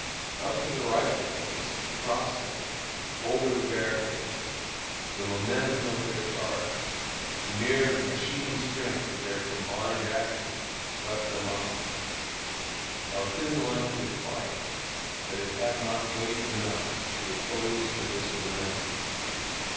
"Up to the rifle pits, across them, over the barricades the momentum of their charge, the mere machine strength of their combined action, swept them on. Our thin line could fight, but it had not weight enough to oppose to this momentum.